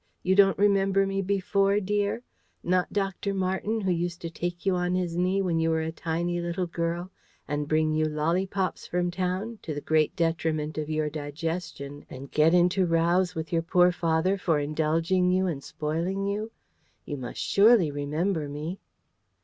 "You don't remember me before, dear? Not Dr. Marten, who used to take you on his knee when you were a tiny little girl, and bring you lollipops from town, to the great detriment of your digestion, and get into rows with your poor father for indulging you and spoiling you? You must surely remember me?"